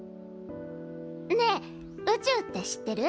ねえ宇宙って知ってる？